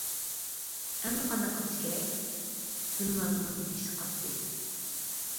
ئەمدى قانداق قىلىش كېرەك؟ دىلنازنىڭ بېشى قاتتى.